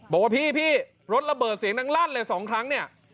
บอกว่าพี่รถระเบิดเสียงดังลั่นเลย๒ครั้งเนี่ย